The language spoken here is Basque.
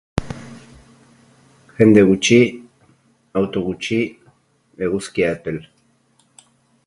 Jende gutxi, auto gutxi, eguzkia epel.